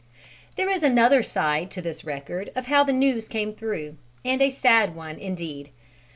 There is another side to this record of how the news came through, and a sad one, indeed.